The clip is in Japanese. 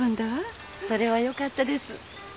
それはよかったです。